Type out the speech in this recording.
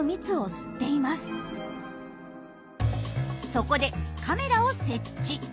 そこでカメラを設置。